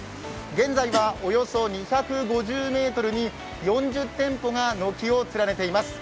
現在はおよそ２５０ｍに４０店舗が軒を連ねています。